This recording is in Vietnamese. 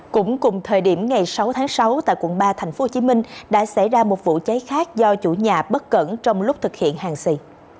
cũng cùng thời điểm ngày sáu tháng sáu tại quận ba tp hcm đã xảy ra một vụ cháy khác do chủ nhà bất cẩn trong lúc thực hiện hàng xì